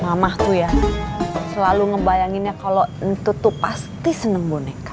mama tuh ya selalu ngebayanginnya kalo ntutu pasti seneng boneka